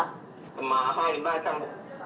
mà ba đến ba trăm đồng